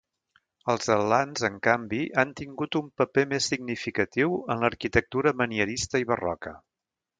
Els atlants, en canvi, han tingut un paper més significatiu en l'arquitectura manierista i barroca.